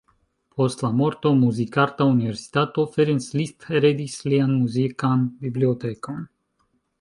Post la morto Muzikarta Universitato Ferenc Liszt heredis lian muzikan bibliotekon.